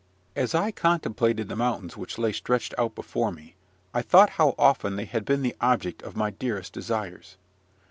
As I contemplated the mountains which lay stretched out before me, I thought how often they had been the object of my dearest desires.